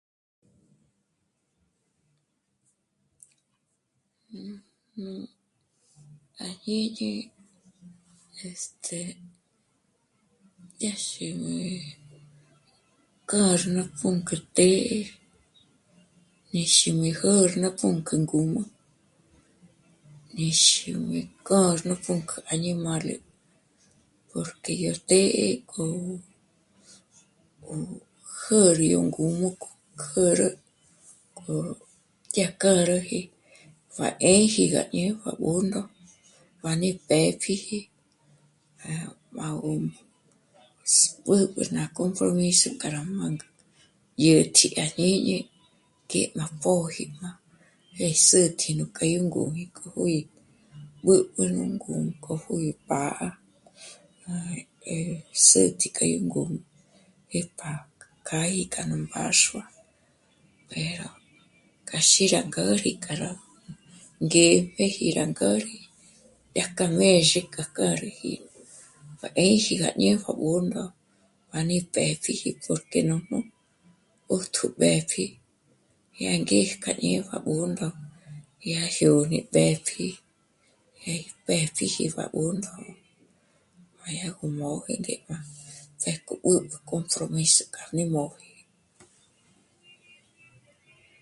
Nújnu à jñíñi, este..., dyá xí mí kâr ná pǔnk'ü të́'ë mí xi ní jä̌rnä ná pǔnk'ü ngǔm'ü, mí xí mí kâr ná pǔnk'ü añimále porque yó të́'ë k'o, 'o, jä̀ri ó ngǔm'ü k'o kä̀rä k'o dyá kâraji pjá 'ḗji gá ñé'e à Bṓndo pa mí pë́pjiji, yá mâ'a gó s... b'ǚb'ü ná compromiso k'a rá mánk..., dyä̀tji à jñiñi k'i má póji má sětji yó k'a yó ngúji k'o juǐ'i b'ǚb'ü nú b'ǘnk'o k'o í pá'a. Má sětji k'a yó ngǔm'ü e pjá... kjâji k'a nú mbáxua, pero k'a xí rá ngä̌rk'aji k'a rá ngé'm'eji rá ngä̌ri, dyájkja mézhe dyá k'âriji pa 'ḗji gá 'ñé'e à Bṓndo pa mí pë́pjiji porque nújnu 'ṓjtjō b'ë́pji yá ngéj... k'a ñé à Bṓndo, yá yó gí pë́pji, yá gí pë́pjiji à Bṓndo má yá gó móji ngé má pjék'o b'ǚb'ü compromiso k'a mí móji